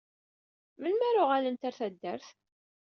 Melmi ara uɣalent ɣer taddart?